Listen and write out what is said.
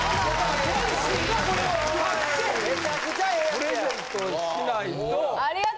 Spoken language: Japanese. プレゼントしないと。